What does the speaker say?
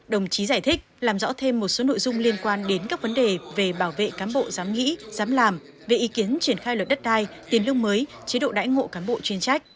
đồng chí giải thích làm rõ thêm một số nội dung liên quan đến các vấn đề về bảo vệ cán bộ dám nghĩ dám làm về ý kiến triển khai luật đất đai tiền lương mới chế độ đãi ngộ cán bộ chuyên trách